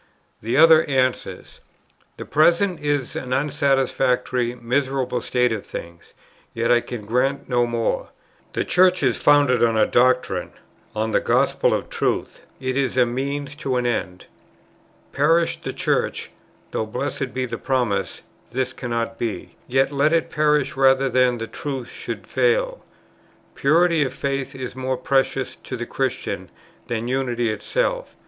The other answers: "The present is an unsatisfactory, miserable state of things, yet I can grant no more. The Church is founded on a doctrine, on the gospel of Truth; it is a means to an end. Perish the Church, (though, blessed be the promise! this cannot be,) yet let it perish rather than the Truth should fail. Purity of faith is more precious to the Christian than unity itself.